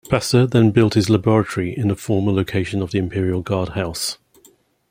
Pasteur then built his laboratory in the former location of the imperial guard house.